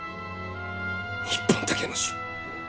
日本だけの種！